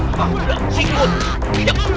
tuh tunggu tunggu tunggu